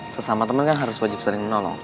sesama teman kan harus wajib sering menolong